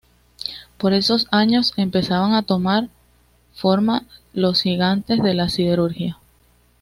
Por esos años empezaban a tomar forma los gigantes de la siderurgia.